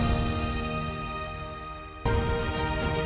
nah ini sudah hilang